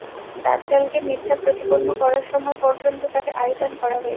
দাজ্জালকে মিথ্যা প্রতিপন্ন করার সময় পর্যন্ত তাকে আয়ু দান করা হয়েছে।